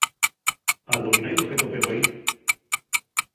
Aldovinái lo qu'atopé güei.